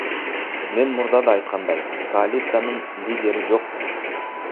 Мен мурда да айткандай, коалициянын лидери жок.